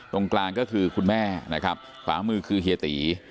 ตรงกลางก็คือคุณแม่นะครับขวามือคือเฮียตี